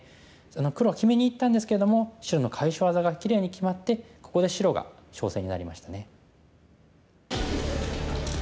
黒は決めにいったんですけれども白の返し技がきれいに決まってここで白が勝勢になりましたね。